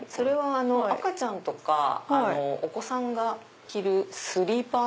赤ちゃんとかお子さんが着るスリーパー。